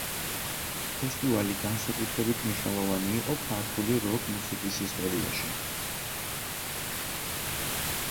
ფესტივალი განსაკუთრებით მნიშვნელოვანი იყო ქართული როკ-მუსიკის ისტორიაში.